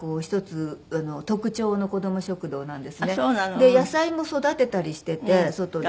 で野菜も育てたりしてて外で。